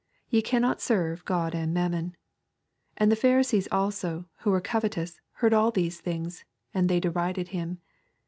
Ye cannot serve God and mammon. 14 And the Pharisees also, who were covetous^ heard all these things : and they derided him.